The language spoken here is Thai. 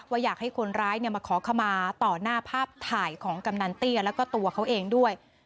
อยากให้คนร้ายมาขอขมาต่อหน้าภาพถ่ายของกำนันเตี้ยแล้วก็ตัวเขาเองด้วย